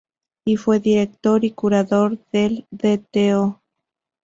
Y fue director y curador del Dto.